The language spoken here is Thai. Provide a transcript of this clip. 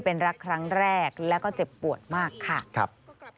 เป็นรักครั้งแรกแล้วก็เจ็บปวดมากค่ะครับ